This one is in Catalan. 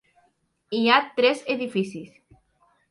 Hi ha tres edificis.